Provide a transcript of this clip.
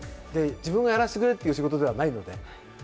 自分がやらせてくれという仕事ではないので。